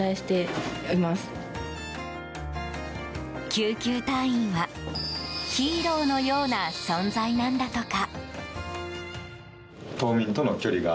救急隊員は、ヒーローのような存在なんだとか。